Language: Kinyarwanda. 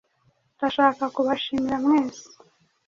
Ndashaka kubashimira mwese.